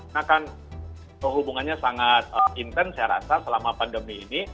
nah kan hubungannya sangat intens saya rasa selama pandemi ini